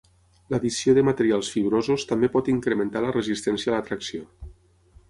L'addició de materials fibrosos també pot incrementar la resistència a la tracció.